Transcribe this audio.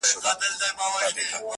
پر زکندن به د وطن ارمان کوینه.!